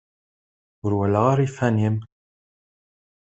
Ur walaɣ ara iffan-im?